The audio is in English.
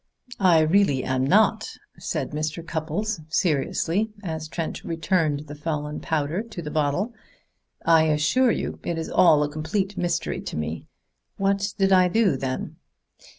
"I really am not," said Mr. Cupples seriously, as Trent returned the fallen powder to the bottle. "I assure you it is all a complete mystery to me. What did I do then?"